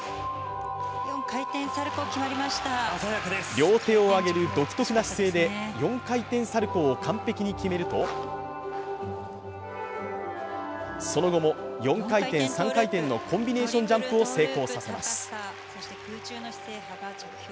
両手を上げる独特な姿勢で４回転サルコウを完璧に決めるとその後も４回転・３回転のコンビネーションジャンプを成功させます。